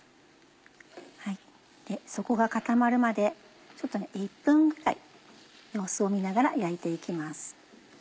底が固まるまでちょっと１分ぐらい様子を見ながら焼いて行きます。